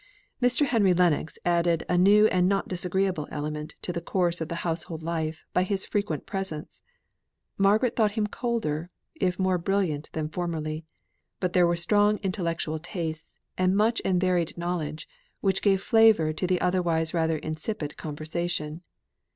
Mr. Henry Lennox added a new and not disagreeable element to the course of the household life by his frequent presence. Margaret thought him colder, if more brilliant than formerly; but there were strong intellectual tastes, and much and varied knowledge, which gave flavour to the otherwise rather insipid conversation.